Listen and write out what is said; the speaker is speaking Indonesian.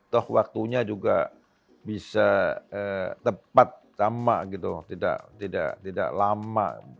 toh waktunya juga bisa tepat lama tidak lama